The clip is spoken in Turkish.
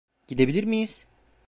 Gidebilir miyiz?